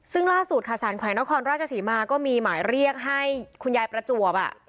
ซึ่งล่าสุดค่ะสารแขวงนครราชศรีมาก็มีหมายเรียกให้คุณยายประจวบ